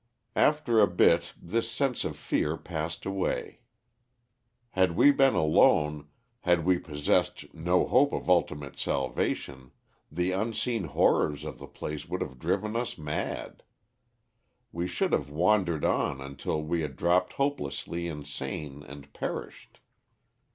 "After a bit this sense of fear passed away. Had we been alone, had we possessed no hope of ultimate salvation, the unseen horrors of the place would have driven us mad. We should have wandered on until we had dropped hopelessly insane and perished.